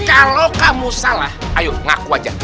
kalau kamu salah ayo ngaku aja